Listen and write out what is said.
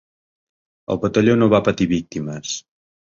El batalló no va patir víctimes.